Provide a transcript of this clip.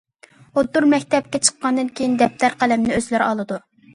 ئوتتۇرا مەكتەپكە چىققاندىن كېيىن دەپتەر قەلەمنى ئۆزلىرى ئالىدۇ.